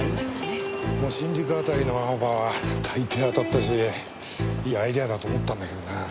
もう新宿あたりのアオバは大抵当たったしいいアイデアだと思ったんだけどなあ。